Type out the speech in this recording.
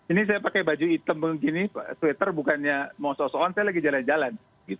ini saya pakai baju hitam begini sweater bukannya mau so so on saya lagi jalan jalan